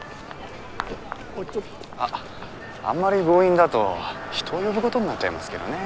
あっあんまり強引だと人を呼ぶことになっちゃいますけどね。